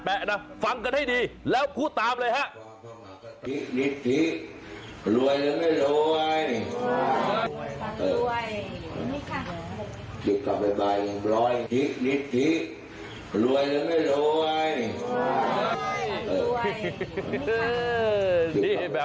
แปะนะฟังกันให้ดีแล้วคู่ตามเลยค่ะ